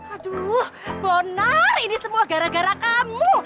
aduh bonar ini semua gara gara kamu